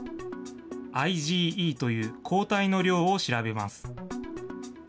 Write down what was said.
ＩｇＥという抗体の量を調べます。